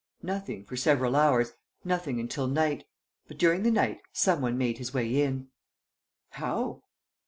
"Nothing, for several hours, nothing until night. But, during the night, some one made his way in." "How?"